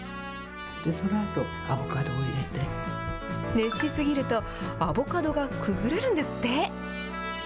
熱しすぎると、アボカドが崩れるんですって。